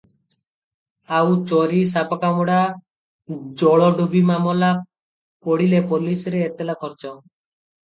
ଆଉ ଚୋରି, ସାପକାମୁଡ଼ା, ଜଳଡୁବିମାମଲା ପଡ଼ିଲେ ପୋଲିସରେ ଏତଲା ଖର୍ଚ୍ଚ ।